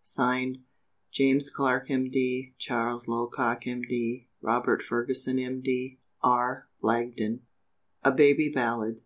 (Signed) "JAMES CLARK, M.D. "CHARLES LOCOCK, M.D. "ROBERT FERGUSON, M.D. "R. BLAGDEN. A BABY BALLAD.